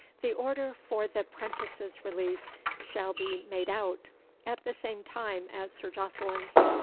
The order for the 'prentice's release shall be made out at the same time as Sir Jocelyn's.